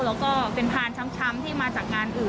แล้วก็เป็นพานช้ำที่มาจากงานอื่น